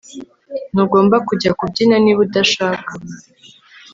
Ntugomba kujya kubyina niba udashaka